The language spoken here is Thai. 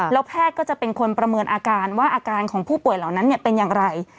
แล้วแพทย์ก็จะเป็นคนประเมินอาการว่าอาการของผู้ป่วยเหล่านั้นเป็นอย่างไร